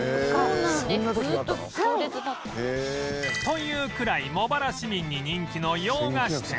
というくらい茂原市民に人気の洋菓子店